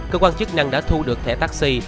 cơ quan chức năng đã thu được thẻ taxi